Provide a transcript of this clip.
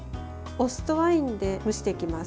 お酢とワインで蒸していきます。